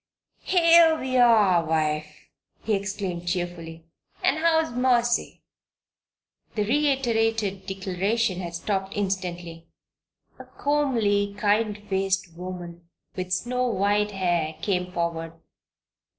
"Here we are, wife!" he exclaimed, cheerfully. "And how's Mercy?" The reiterated declaration had stopped instantly. A comely, kind faced woman with snow white hair, came forward.